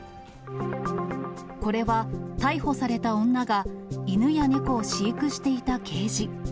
これは逮捕された女が犬や猫を飼育していたケージ。